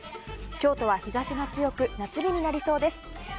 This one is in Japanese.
京都は日差しが強く夏日になりそうです。